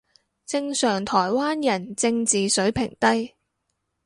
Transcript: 正常台灣人正字水平低